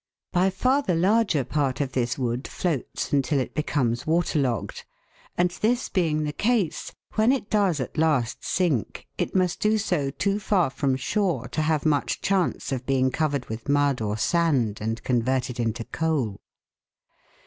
By far the larger part of this wood floats until it becomes waterlogged \ and this being the case, when it does at last sink, it must do so too far from shore to have much chance of being covered with mud or sand and converted into coal.